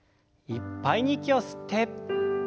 いっぱいに息を吸って。